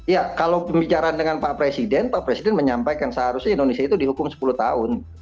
ya kalau pembicaraan dengan pak presiden pak presiden menyampaikan seharusnya indonesia itu dihukum sepuluh tahun